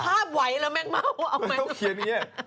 ข้าบไหวละแมงเม่าเอาแมงเม่า